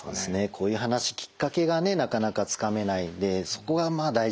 こういう話きっかけがねなかなかつかめないんでそこがまあ大事なところなんです。